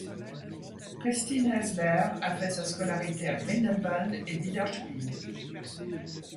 Christine Häsler a fait sa scolarité à Grindelwald et Widerspiel.